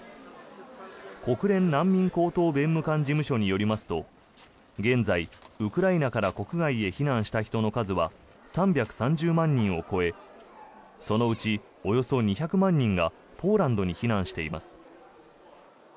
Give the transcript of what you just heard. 国連難民高等弁務官事務所によりますと現在、ウクライナから国外へ避難した人の数は３３０万人を超えそのうちおよそ２００万人がポーランドに避難しています。